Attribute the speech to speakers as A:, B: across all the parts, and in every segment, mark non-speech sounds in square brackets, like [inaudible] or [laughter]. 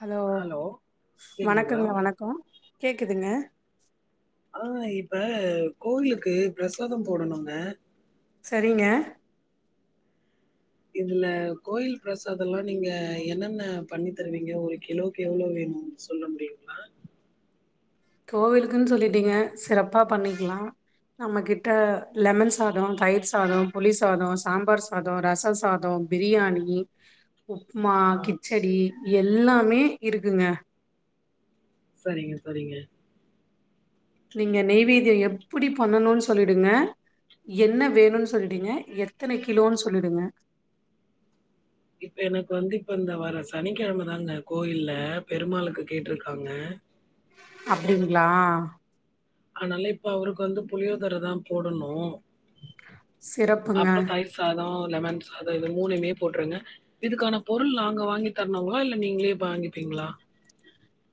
A: Hello
B: கேக்குதுங்களா?
A: வணக்கங்க வணக்கோ கேகுதுங்க
B: ஆ இப்ப கோயிலுக்கு ப்ரசாத போடணுங்க
A: சரிங்க
B: இதுல கோயில் பிரசாதலா நீங்க என்னென்ன பண்ணி தருவீங்க ஒரு கிலோக்கு எவ்ளோ வேணு சொல்ல முடியுங்ளா
A: கோவிலுக்குன் சொல்லிட்டீங்க சிறப்பா பண்ணிக்லா நம்ம கிட்ட லெமன் சாதோ தயிர் சாதோ புளி சாதோ சாம்பார் சாதோ ரச சாதோ பிரியாணி உப்மா
B: ஆ
A: கிச்சடி எல்லாமே இருக்குங்க
B: சரிங்க சரிங்க
A: நீங்க நெய்வெய்திய எப்புடி பண்ணணுனு சொல்லிடுங்க என்ன வேணுன்னு சொல்லிடுங்க எத்தன கிலோன்னு சொல்லிடுங்க
B: இப்ப எனக்கு வந்து இப்ப இந்த வர சனிக்கிழமதாங்க கோயில்ல பெருமாளுக்கு கேட்ருக்காங்க
A: அப்டிங்ளா
B: அனால இப்ப அவர்க்கு வந்து புளியோதரதா போடணூ
A: சிறப்புங்க
B: அப்றோ தயிர்சா சாத லெமன் சாத இது மூனைமே போட்ருங்க இதுக்கான பொருள் நாங்க வாங்கி தரனுங்ளா இல்ல நீங்ளே வாங்கிப்பீங்ளா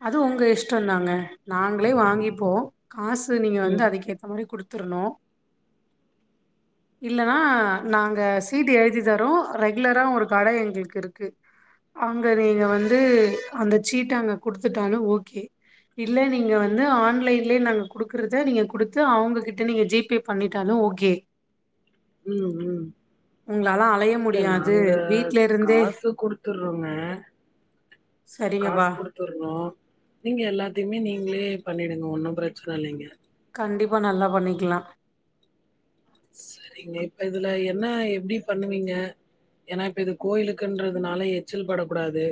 A: அது உங்க இஷ்டம்தாங்க நாங்ளே வாங்கிப்போ காசு நீங்க வந்து
B: ம்,
A: அதுக்கேத்த மாரி குடுத்துர்ணு
B: [inaudible]
A: இல்லனா நாங்க சீட்டு எழுதி தரோ ரெகுலரா ஒரு கட எங்குளுக்கு இருக்கு அங்க நீங்க வந்து அந்த சீட்ட அங்க குடுத்துட்டாங்க ஓகே இல்ல நீங்க வந்து ஆன்லைன்லயே நாங்க குடுக்கறத நீங்க குடுத்து அவுங்ககிட்ட நீங்க ஜி பே பண்ணிட்டாலும் ஓகே
B: ம் ம்
A: உங்களால அலைய
B: இல்ல
A: முடியாது
B: நாங்க
A: வீட்ல இருந்தே
B: காசு குடுத்துறோங்க
A: சரிங்கபா
B: வந்துரோ நீங்க எல்லாத்தியுமே நீங்ளே பண்ணிடுங்க ஒன்னு பிரச்சன இல்லைங்க
A: கண்டிப்பா நல்லா பண்ணிக்கலாம்
B: செரிங்க இப்ப இதுல என்ன எப்டி பண்ணுவீங்க ஏன்னா இப்ப இது கோயிலுக்குன்றதுனால எச்சில் படக்கூடாது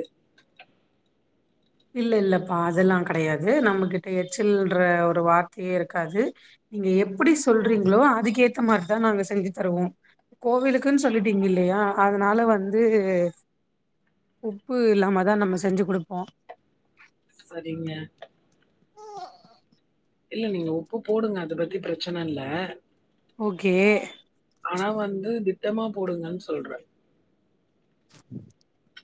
A: இல்ல இல்லப்பா அதல்லாம் கடையாது நம்மகிட்ட எச்சல்ன்ற ஒரு வார்த்தயே இருக்காது நீங்க எப்டி சொல்றீங்களோ அதுக்கேத்த மாரிதா நாங்க செஞ்சு தருவோம் கோவிலுக்குனு சொல்லிட்டீங்க இல்லயா அதனால வந்து உப்பு இல்லாம தா நம்ம செஞ்சு குடுப்போ
B: சரிங்க
A: உஹ்ஹ்
B: இல்ல நீங்க உப்பு போடுங்க அத பத்தி பிரச்சன இல்ல
A: ஓகே
B: ஆனா வந்து திட்டமா போடுங்கன் சொல்ற
A: [inaudible]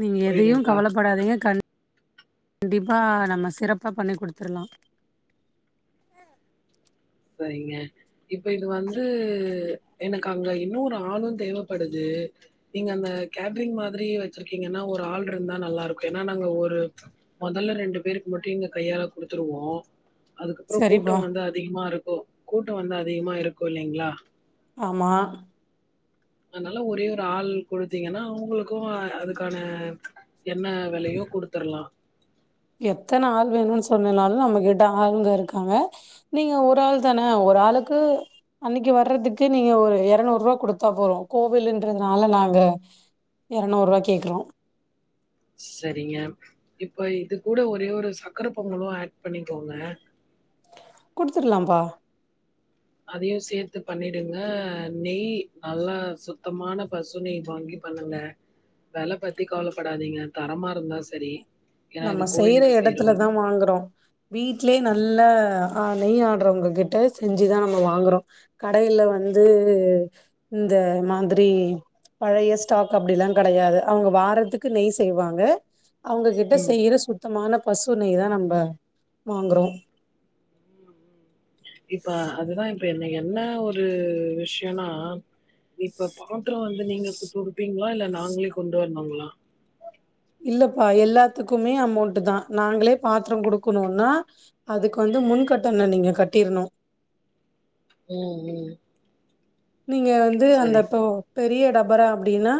A: நீங்க எதையு
B: புரியுதுங்களா
A: கவலபடாதீங்க கண்டிப்பா நம்ம சிறப்பா பண்ணி குடுத்துறலாம்
B: சரிங்க இப்ப இது வந்து எனக்கு அங்க இன்னொரு ஆளும் தேவப்படுது நீங்க அந்த கேட்ரிங் மாதிரி வச்சிருக்கீங்கன்னா ஒரு ஆள்ருந்தா நல்லாருக்கும் ஏன்னா நாங்க ஒரு மொதல்ல ரெண்டு பேருக்கு மட்டும் எங்க கையால குடுத்துருவோ அதுக்கப்பறம்
A: சரிப்பா
B: கூட்டம் வந்து அதிகமா இருக்கும் கூட்டம் வந்து அதிகமா இருக்கும் இல்லிங்களா
A: ஆமா
B: அதனால ஒரே ஒரு ஆள் குடுத்தீங்கன்னா அவுங்களுக்கும் அதுக்கான என்ன வெலையோ குடுத்துற்லாம்
A: எத்தன ஆள் வேணும்னு சொன்னாலும் நம்மகிட்ட ஆளுங்க இருக்காங்க நீங்க ஒரு ஆள் தான ஒரு ஆளுக்கு அன்னிக்கு வர்றதுக்கு நீங்க ஒரு இரநூரூவா குடுத்தா போதும் கோவில்ன்றதுனால நாங்க எறநுருவா கேக்றோம்
B: செரிங்க இப்ப இது கூட ஒரே ஒரு சக்கரபொங்கலும் ஆட் பண்ணிக்கோங்க
A: குடுத்துர்லாம்ப்பா
B: அதயும் சேத்து பண்ணிடுங்க நெய் நல்லா சுத்தமான பசு நெய் வாங்கி பண்ணுங்க வெல பத்தி கவலப்படாதீங்க தரமா இருந்தா செரி
A: நம்ம செய்ற எடத்துலதா வாங்கறோம் வீட்லயே நல்ல அ நெய் ஆடறவங்க கிட்ட செஞ்சுதா நம்ம வாங்கறோம் கடைல வந்து இந்த மாதிரி பழைய ஸ்டாக் அப்டிலாம கடையாது அவுங்க வாரத்துக்கு நெய் செய்வாங்க அவுங்க வீட்ல
B: ம்.
A: செய்யற சுத்தமான பசு நெய் தா நம்ப வாங்கறோம்
B: இப்ப அதுதா இப்ப என்ன ஒரு விஷயன்னா இப்ப பாத்ரம் வந்து நீங்க துடுப்பீங்களா இல்ல நாங்களே கொண்டு வரனுங்களா
A: இல்லப்பா எல்லாத்துக்குமே அமௌண்ட் தான் நாங்களே பாத்ரோ குடுக்கனோனா அதுக்கு வந்து முன் கட்டணோ நீங்க கட்டீறணூ
B: உம் ம்
A: நீங்க வந்து
B: சரி
A: அந்த தொ பெரிய டபெர அப்டீனா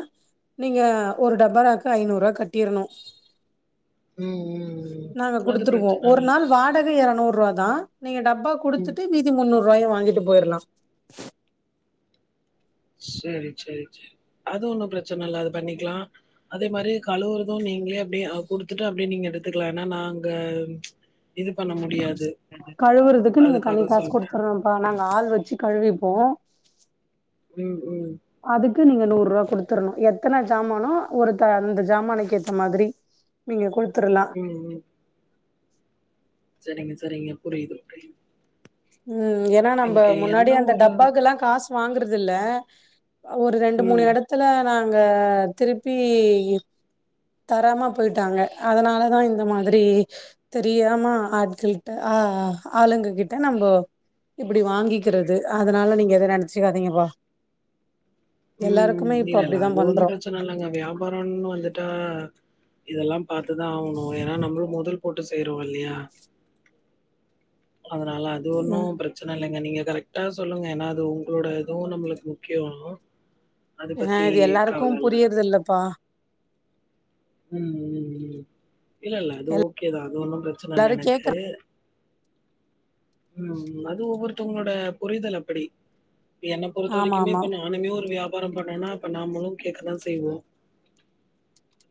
A: நீங்க ஒரு டபராக்கு ஐநூருவா கட்டிறனூ
B: ம் ம் ம்
A: நாங்க
B: அது
A: குடுத்துருவோ
B: பிரச்சன
A: ஒரு
B: இல்ல
A: நாள் வாடக எறநூற் ருவாத் தா நீங்க டப்பா
B: ம்
A: குடுத்துட்டு மீதி முன்னூற் ருவாய வாங்கிட்டு பொயிரலா
B: செரி செரி செ அது ஒன்னு பிரச்சன இல்ல அது பண்ணிக்லா அதே மாரி கழுவுரது நீங்ளே அப்டியே அ குடுத்துட்டு அப்டியே நீங்க எடுத்துக்கலா ஏனா நா அங்க
A: கழுவுறதுக்கு நீங்க தனி
B: அதுக்காக
A: காஸ்
B: சொல்ட்டே
A: குடுத்துரனும்ப்பா நாங்க ஆள் வச்சி கழுவிப்போ
B: ம் ம்
A: அதுக்கு நீங்க நூற் ருவா குடுத்துரணூ எத்தன ஜாமானோ ஒருக்க அந்த ஜாமானுக்கு ஏத்த மாதிரி நீங்க குடுத்துரலா
B: ம் ம் செரிங்க செரிங்க புரியிது
A: ம் ஏனா நம்ப
B: எனக்கு என்ன
A: முன்னாடியே அந்த
B: ஒரு
A: டப்பாக்குலா காசு வாங்குறதில்ல அ ஒரு ரெண்டு மூணு
B: ம்
A: எடத்துல நாங்க திருப்பீ தராமா பொய்ட்டாங்க அதனாலதா இந்த மாதிரி தெரியாம ஆட்கள்ட்ட ஆ ஆ ஆளுங்க கிட் ட நம்போ இப்டி வாங்கிக்கிறது அதனால நீங்க எது நெனச்சிக்காதிங்கப்பா
B: உம் இல்லல்ல
A: அப்டிதா
B: அது ஒன்னு
A: பண்றோ
B: பிரச்சன இல்லங்க வியாபாரோன் வந்துட்டா இதெல்லா பாத்துதா ஆவணூ ஏனா நம்மளூ மொதல் போட்டு செய்யறோ இல்லையா அதனால அது ஒன்னு பிர ச்சன இல்லைங்க நீங்க கரெக்டா சொல்லுங்க ஏனா அது ஒங்ளோட இதுவு நம்மளுக் முக்கியோ அது பத்தீ கவலல்ல
A: இதில்லப்பா
B: உம் ம் ம் இல்லல்ல அது ஓகேதா அது ஒன்னு பிரச்சன இல்ல
A: எல்லாரு கேக்குற
B: எனக்கூ ம் அது ஒவ்வொருத்தவங்களோட புரிதல் அப்படி என்ன பொறுத்த
A: ஆமா
B: வரைக்குமே
A: ஆமா
B: இப்ப நானுமே ஒரு வியாபாரம் பண்ணெனா இப்ப நம்மளூ கேட்கதா செய்வோ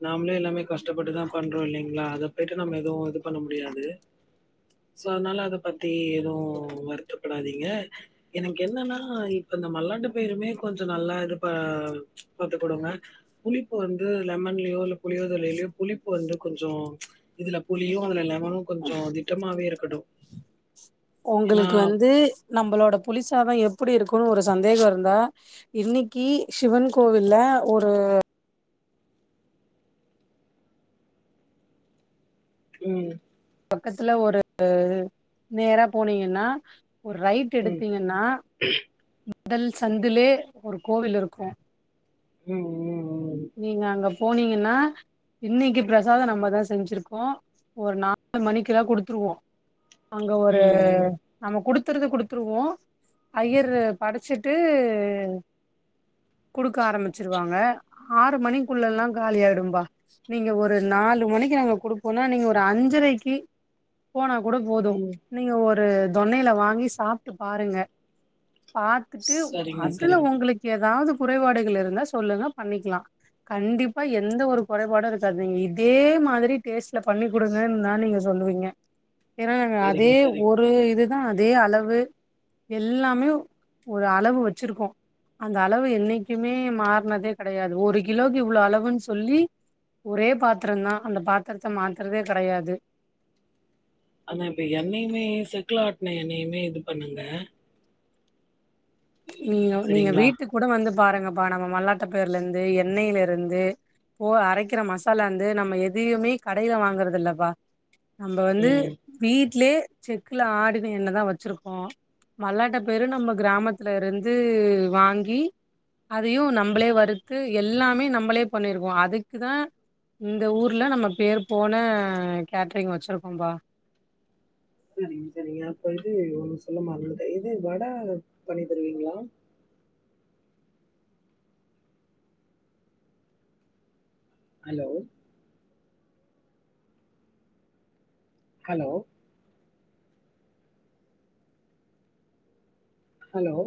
B: நாம்ளே எல்லாமே கஷ்டப்பட்டுதா பண்றோ இல்லைங்ளா அதப்பொய்ட்டு நம்ம எதுவு இது பண்ண முடியாது சோ அதனால அத பத்தி எதுவு வருத்தப்படாதீங்க எனக்கு என்னன்னா இப்ப இந்த மல்லாட்டு பயருமே கொஞ்சொ நல்லா இருப்பா போட்டுக்குடுங்க புளிப்பு வந்து லெமன் லயோ இல்ல புளியோதலைலயோ புளிப்பு வந்து கொஞ்சோ இதுல புளியு அதுல லெமனும் கொஞ்சோ தி ட்டமாவே இருக்கடூ
A: ஒங்களுக்கு வந்து நம்மளோட புளிசாதோ எப்டி இருக்கூனு ஒரு சந்தேகோ இருந்தா இன்னைக்கீ சிவன் கோவில்ல ஒரு
B: உம்
A: பக்கத்துல ஒரூ நேரா போனெங்கன்னா ஒரு ரைட்
B: ம்,
A: எடுத்திங்கன்னா முதல் சந்துலே ஒரு கோவிலிருக்கூ
B: உம் ம் ம்
A: நீங்க அங்க போனிங்கன்னா இன்னைக்கி பிரசாதோ நம்மதா செஞ்சிருக்கோ ஒரு நாலு மணிக்குல்லா குடுத்துருவோ அங்க
B: ம்,
A: ஒரூ
B: ம்,
A: நம்ம குடுத்துரத குடுத்ருவோ ஐயரு படச்சிட்டூ குடுக்க ஆரம்பிச்சிருவாங்க ஆறு மணிக்குள்ளல்லா காலி ஆயிடும்பா நீங்க ஒரு நாலு மணிக்கு நாங்க குடுப்போன்னா நீங்க ஒரு அஞ்சரைக்கி போனா கூட போது
B: ம்.
A: நீங்க ஒரு தொண்ணையில வாங்கி சாப்ட்டு பாருங்க பாத்துட்டு
B: சரிங்க,
A: அதுல
B: சரிங்க,
A: உங்களுக்கு ஏதாவது குறைபாடுகள் இருந்தா சொல்லுங்க பண்ணிக்கலா கண்டிப்பா எந்த ஒரு குறைபாடு இருக்காது இதே மாதிரி டேஸ்ட்ல பண்ணி கொடுங்கன்னு தா நீங்க சொல்லுவீங்க ஏன்னா நாங்க
B: சரிங்க,
A: அதே
B: சரிங்க.
A: ஒரு ஒரே இதுதா அதே அளவு எல்லாமே ஒரு அளவு வச்சிருக்கோ அந்த அளவு என்னைக்குமே மாறுனதே. கெடையாது ஒரு கிலோக்கு இவ்ளோ அளவுன்னு சொல்லி. ஒரே பாத்தரந்தா அந்த பாத்தரத்த மாத்துறதே கெடையாது
B: ஆனா இப்ப எண்ணையுமே செக்குல ஆட்டுன எண்ணையுமே இது பண்ணுங்க
A: நீங்க நீங்க
B: சரிங்களா?
A: வீட்டுக்கு கூட வந்து பாருங்கப்பா நம்ம மல்லாட்ட பைர்லருந்து எண்ணெயிலயிருந்து. இப்போ அரைக்கிற மசாலாயிந்து நம்ம எதையுமே கடையில வாங்கறதுயில்லப்பா நம்ப வந்து.
B: ம்.
A: வீட்லயே செக்குல ஆடின எண்ண தா வச்சிருக்கோ மல்லாட்ட பைரு நம்ம கிராமத் துல இருந்து வாங்கி. அதையும நம்பளே வறுத்து எல்லாமே நம்பளே பண்ணிருக்கோ அதுக்குதா இந்த ஊர்ல நம்ம பேர் போன கேட்ரிங் வச்சுருக்கோம்ப்பா
B: சரிங்க சரிங்க அப்ப இது ஒண்ணு சொல்ல மறந்துட்ட இது வடா பண்ணி தருவீங்களா ஹலோ ஹலோ ஹலோ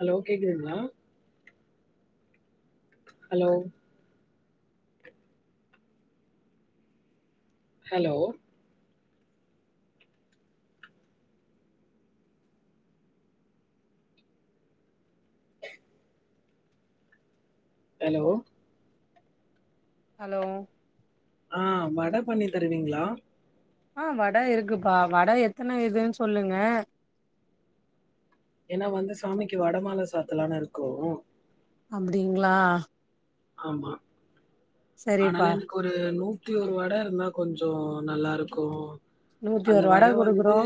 B: ஹலோ கேக்குதுங்களா ஹலோ ஹலோ ஹலோ
A: ஹலோ
B: ஆ வட பண்ணி தருவீங்களா
A: ஆ வட இருக்குப்பா வட எத்தன இதுன்னு சொல்லுங்க
B: ஏன்னா வந்து சாமிக்கு வடமால சாத்தலானு இருக்கோ
A: அப்டிங்களா
B: ஆமா ஆனால
A: சரிப்பா
B: எனக்கு ஒரு நூத்தியோரு வட இருந்தா கொஞ்சோ நல்லாருக்கு
A: நூத்தி
B: அந்த
A: ஒரு
B: வட வந்து
A: குடுக்குறோ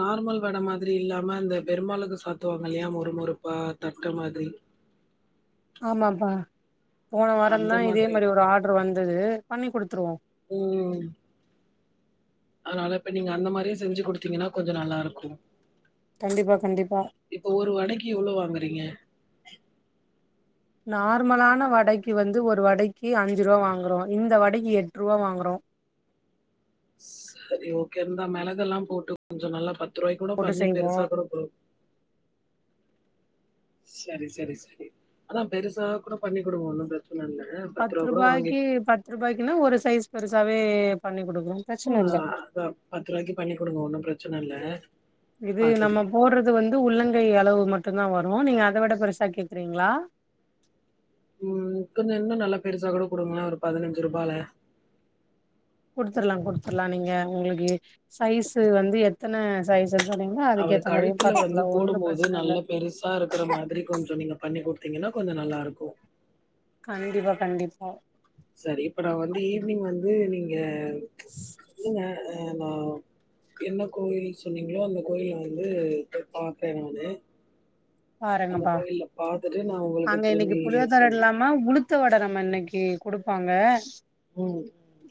B: நார்மல் வட மாதிரியில்லாம இந்த பெருமாளுக்கு சாத்துவாங்க இல்லையா மொறு மொறுப்பா தட்ட மாதிரி
A: ஆமாம்ப்பா போன
B: அந்த
A: வாரந்தா இதே
B: மாதிரி.
A: மாரி ஒரு ஆர்டரு வந்தது பண்ணி கொடுத்துருவோ
B: ம் அதனால இப்ப நீங்க அந்த மாரியே செஞ்சு கொடுத்தீங்கன்னா கொஞ்சோ நல்லாருக்கு
A: கண்டிப்பா கண்டிப்பா
B: இப்போ ஒரு வடைக்கு எவ்ளோ வாங்குறீங்க
A: நார்மலான வடைக்கு வந்து ஒரு வடைக்கு அஞ்சு ரூவா வாங்குறோ இந்த வடைக்கு எட்ரூவா வாங்குறோ
B: சரி ஓகேந்தா மெளகெல்லாம் போட்டு கொஞ்சோ நல்லா பத்து ரூவாய் கூட
A: போட்டு
B: பண்ணி
A: செய்வோ
B: பெருசாகூட குடுங் சரி சரி சரி அதா பெருசா கூட பண்ணி கொடுங்க ஒன்னும் பிரச்சன இல்ல பத்து ரூபா கூட வாங்கி
A: பத்து ரூபாய்க்குனா ஒரு சைஸ் பெருசாவே பண்ணி கொடுக்குறோ
B: உ அ பத்து ரூவாய்க்கு பண்ணி கொடுங்க ஒன்னும் பிரச்சன இல்ல
A: இது
B: பாத்து
A: நம்ம போடுறது வந்து உள்ளங்கை அளவு மட்டுந்தா வரு நீங்க அத விட பெருசா கேக்குறீங்களா
B: ம் கொஞ்ச இன்னு நல்லா பெருசா கூட கொடுங்களே ஒரு பதினஞ்சு ரூபால
A: குடுத்தர்லா குடுத்தர்லா நீங்க உங்களுக்கு சைஸு வந்து எத் எத்தன சைஸ்ன்னு சொன்னீங்கனா அதுக்கு
B: அவரு
A: ஏத்த மாரியு
B: கழுத்துல வந்து
A: பாத்துக்கலா ஒன்னு பிரச்சனயில்ல
B: கொஞ்சோ நீங்க பண்ணி குடுத்தீங்கனா கொஞ்சோ நல்லாருக்கு.
A: கண்டிப்பா கண்டிப்பா
B: சரி இப்ப நா வந்து ஈவ்னிங் வந்து நீங்க சொல்லுங்க ஹலோ என்ன கோயில் சொன்னீங்களோ அந்த கோயில வந்து பாத்தே நானு அந்த
A: பாருங்கப்பா
B: கோயில பாத்துட்டு, நா உங்களுக்கு திரும்பி சொல்றே
A: ஆ உளுத்த வட நம்ம இன்னைக்கு குடுப்பாங்க
B: ம்.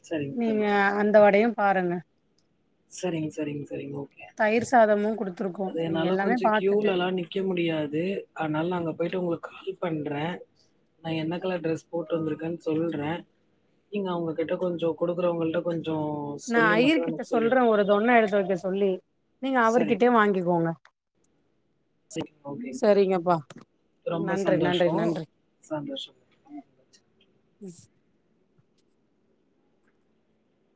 B: சரிங்க, சரிங்க.
A: நீங்க அந்த வடையு பாருங்க
B: சரிங்க சரிங்க சரிங்க ஓகே
A: தயிர் சாதமு குடுத்
B: அது என்னால கொஞ்சோ கியூலலா நிக் நிக்க முடியாது அதனால நா அங்க போயிட்டு உங்களுக்கு கால் பண்றே. நா என்ன கலர் ட்ரெஸ் போட்டு வந்திருக்கேன்னு சொல்றே. நீங்க அவங்ககிட்ட கொஞ்சோ குடுக்கறவங்கள்ட கொஞ்சோ
A: நா ஐயர் கிட்ட சொல்றே ஒரு தொண்ண எடுத்து வக்க சொல்லி நீங்க
B: சரி.
A: அவர்கிட்டேயே வாங்கிக்கோங்க
B: சரி. ஓகேங்க.
A: சரிங்கப்பா
B: ரொம்ப
A: நன்றி நன்றி
B: சந்தோஷம்.
A: நன்றி
B: சந்தோஷம்.
A: [inaudible]